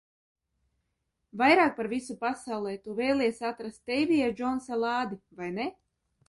Vairāk par visu pasaulē tu vēlies atrast Deivija Džonsa lādi, vai ne?